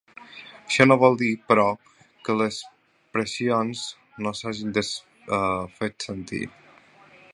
Això no vol dir, però, que les pressions no s’hagin fet sentir.